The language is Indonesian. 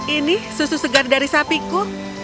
ini susu segar dari sapiku